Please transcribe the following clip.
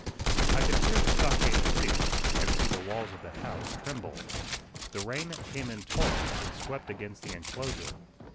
I could hear the stockade creak, and see the walls of the house tremble. The rain came in torrents, and swept against the enclosure.